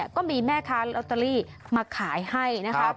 ก็มีแม่ค้าลอตเตอรี่มาขายให้นะคะ